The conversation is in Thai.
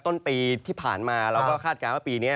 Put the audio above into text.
ต้นปีที่ผ่านมาเราก็คาดการณ์ว่าปีนี้